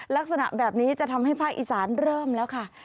ลักษณะแบบนี้จะทำให้ภาคอีสานเริ่มแล้วค่ะ